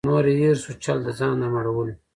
نور یې هېر سو چل د ځان د مړولو